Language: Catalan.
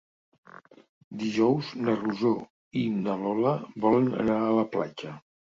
Dijous na Rosó i na Lola volen anar a la platja.